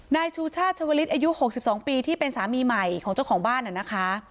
นายชูชาชวลิศอายุหกสิบสองปีที่เป็นสามีใหม่ของเจ้าของบ้านน่ะนะคะ